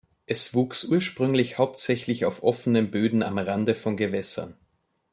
Es wuchs ursprünglich hauptsächlich auf offenen Böden am Rande von Gewässern.